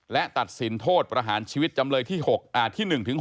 และตัดสินโทษประหารชีวิตจำเลยที่๑๖